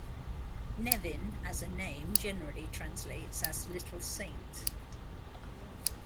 'Nevin' as a name generally translates as 'Little Saint'.